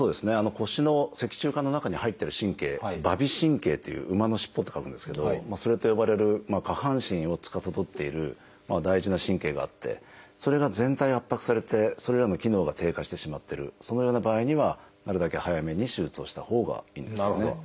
腰の脊柱管の中に入ってる神経「馬尾神経」という「馬の尻尾」と書くんですけどそうやって呼ばれる下半身をつかさどっている大事な神経があってそれが全体圧迫されてそれらの機能が低下してしまってるそのような場合にはなるだけ早めに手術をしたほうがいいんですよね。